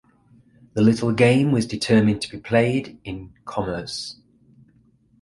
The title game was determined to be played in Commerce.